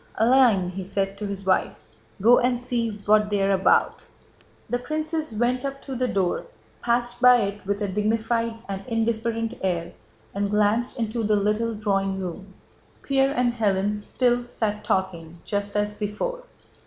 "Aline," he said to his wife, "go and see what they are about." The princess went up to the door, passed by it with a dignified and indifferent air, and glanced into the little drawing room. Pierre and Hélène still sat talking just as before.